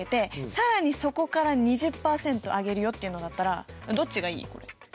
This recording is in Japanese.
そこから２０％上げるよっていうのだったらどっちがいい？これ。